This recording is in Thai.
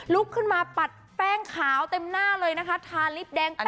ลุกขึ้นมาปัดแป้งขาวเต็มหน้าเลยนะคะทาลิฟต์แดง